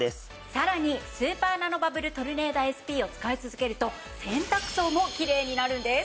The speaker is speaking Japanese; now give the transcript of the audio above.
さらにスーパーナノバブルトルネーダＳＰを使い続けると洗濯槽もきれいになるんです。